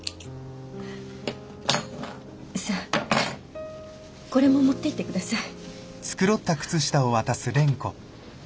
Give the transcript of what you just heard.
さあこれも持っていって下さい。